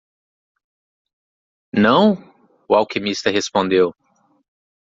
"Não?" o alquimista respondeu.